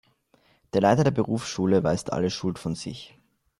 Der Leiter der Berufsschule weist alle Schuld von sich.